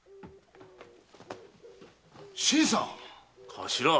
新さん⁉頭？